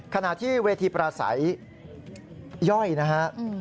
ขณะที่เวทีปราศัยย่อยนะฮะ